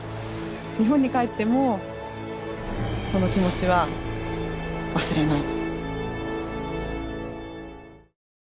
日本に帰ってもこの気持ちは忘れない。